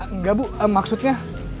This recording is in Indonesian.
enggak bu maksudnya